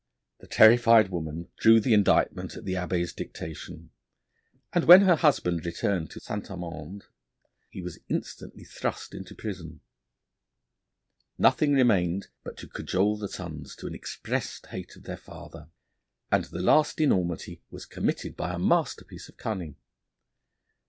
The terrified woman drew the indictment at the Abbé's dictation, and when her husband returned to St. Amand he was instantly thrust into prison. Nothing remained but to cajole the sons into an expressed hatred of their father, and the last enormity was committed by a masterpiece of cunning.